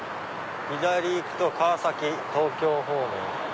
左行くと川崎東京方面。